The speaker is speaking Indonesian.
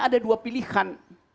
ada dua pilihan